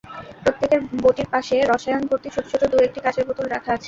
প্রত্যেকের বঁটির পাশে রসায়ন ভর্তি ছোট ছোট দু-একটি কাচের বোতল রাখা আছে।